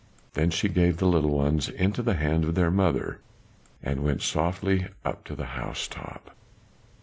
Then she gave the little ones into the hand of their mother, and went softly up to the housetop.